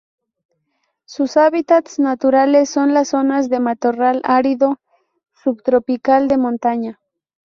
Sus hábitats naturales son las zonas de matorral árido subtropical de montaña.